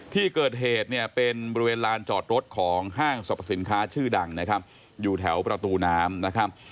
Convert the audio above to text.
ที่เกิดเหตุเนี่ยเป็นบริเวณลานจอดรถของห้างสรรพสินค้าชื่อดังนะครับอยู่แถวประตูน้ำนะครับ